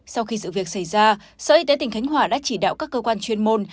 sau khi sự việc xảy ra sở y tế tỉnh khánh hòa đã chỉ đạo các cơ quan chuyên môn